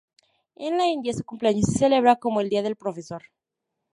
En la India, su cumpleaños se celebra como el Día del Profesor.